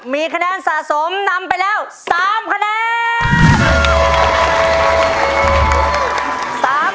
มีคะแนนสะสมนำไปแล้ว๓คะแนน